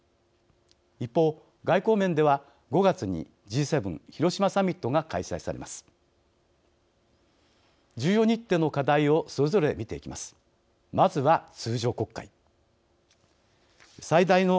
一方、外交面では５月にＧ７広島サミットが開催されます。